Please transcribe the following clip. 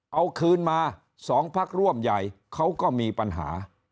เอาคืนมา๒พักร่วมใหญ่เขาก็มีปัญหา